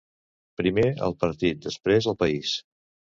Primer el partit, després el país.